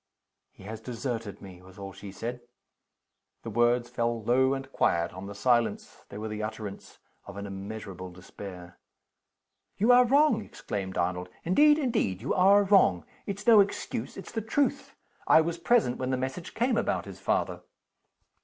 "He has deserted me!" was all she said. The words fell low and quiet on the silence: they were the utterance of an immeasurable despair. "You are wrong!" exclaimed Arnold. "Indeed, indeed you are wrong! It's no excuse it's the truth. I was present when the message came about his father."